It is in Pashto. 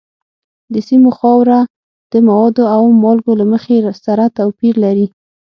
د سیمو خاوره د موادو او مالګو له مخې سره توپیر لري.